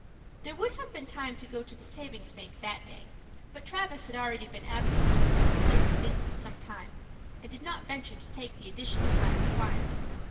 There would have been time to go to the savings bank that day, but Travis had already been absent from his place of business some time, and did not venture to take the additional time required.